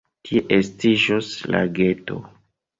Tie estiĝos lageto.